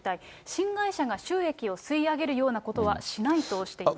新会社が収益を吸い上げるようなことはしないとしています。